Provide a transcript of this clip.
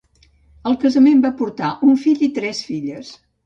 El casament va portar un fill i tres filles.